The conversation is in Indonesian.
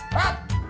lah gue ditinggalin